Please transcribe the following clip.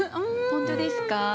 本当ですか？